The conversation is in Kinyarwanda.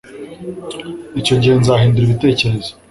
Icyo gihe nzahindura ibitekerezo